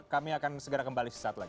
kami akan segera kembali sesaat lagi